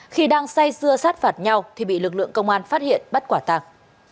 khi đang say dưa sát phạt nhau thì bị lực lượng công an phát hiện bắt quả tàng